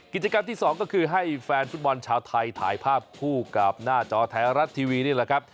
กิจกรรมที่๒ก็คือให้แฟนฟุตบอลชาวไทยถ่ายภาพคู่กับหน้าจอไทยรัฐทีวีนี่แหละครับ